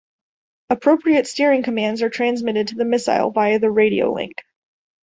Appropriate steering commands are transmitted to the missile via the radio link.